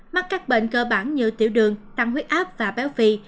mắc các bệnh cơ bản như tiểu đường tăng huyết áp và béo phì